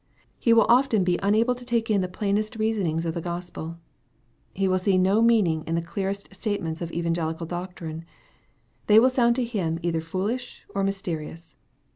He will often be unable to take In the plainest reasonings of the Gospel. He will see no meaning in the clearest statements of evangelical doctrine. They will sound to him either foolish or mysterious.